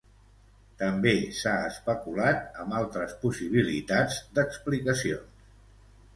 També s'ha especulat amb altres possibilitats d'explicacions.